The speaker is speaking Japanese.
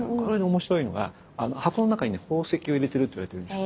面白いのが箱の中にね宝石を入れてるといわれているんです。